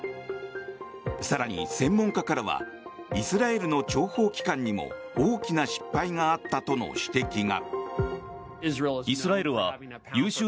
更に、専門家からはイスラエルの諜報機関にも大きな失敗があったとの指摘が。